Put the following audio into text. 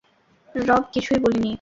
রব, কিছুই বলিনি?